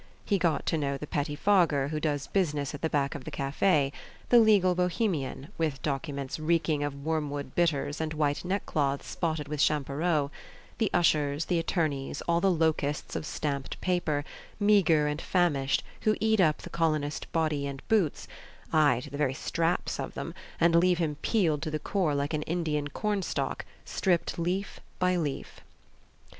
He got to know the pettifogger who does business at the back of a cafe the legal Bohemian with documents reeking of wormwood bitters and white neckcloths spotted with champoreau; the ushers, the attorneys, all the locusts of stamped paper, meagre and famished, who eat up the colonist body and boots ay, to the very straps of them, and leave him peeled to the core like an Indian cornstalk, stripped leaf by leaf.